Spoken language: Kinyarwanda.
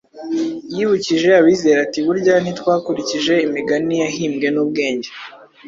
Yibukije abizera ati, « Burya ntitwakurikije imigani yahimbwe n’ubwenge,